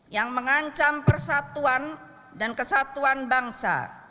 yang mengancam persatuan dan kesatuan bangsa